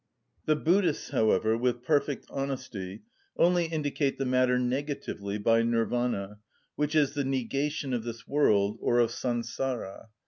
The Buddhists, however, with perfect honesty, only indicate the matter negatively, by Nirvana, which is the negation of this world, or of Sansara.